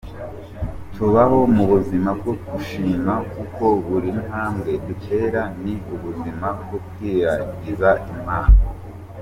Tubaho mu buzima bwo gushima kuko buri ntambwe dutera ni ubuzima bwo kwiragiza Imana.